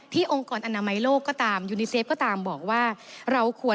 ที่องค์กรอนามัยโลกก็ตามยูนีเซฟก็ตามบอกว่า